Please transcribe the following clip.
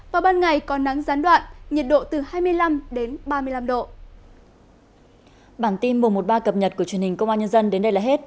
và ban ngày có nắng gián đoạn nhiệt độ từ hai mươi năm ba mươi năm độ